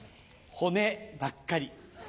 骨ばっかり。